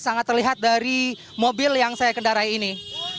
sangat terlihat dari mobil yang saya kendarai ini